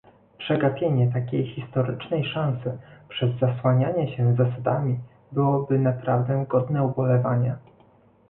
Przegapienie takiej historycznej szansy przez zasłanianie się zasadami byłoby naprawdę godne ubolewania